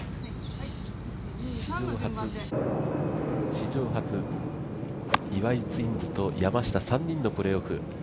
史上初、岩井ツインズと山下３人のプレーオフ。